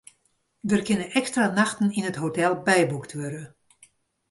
Der kinne ekstra nachten yn it hotel byboekt wurde.